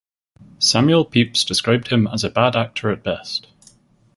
Samuel Pepys described him as "a bad actor at best".